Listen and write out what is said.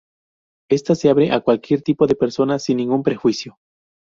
Esta se abre a cualquier tipo de persona sin ningún prejuicio.